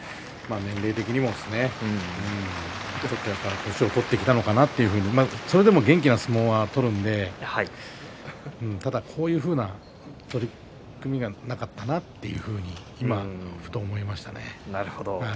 年齢的にも年を取ってきたのかなとそれでも元気な相撲を取るのでただこういう取組はなかったなと今ふと思いましたね。